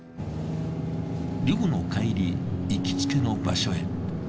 漁の帰り行きつけの場所へ。